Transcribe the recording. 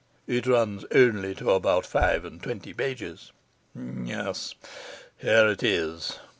It runs only to about five and twenty pages. Yes, here it is.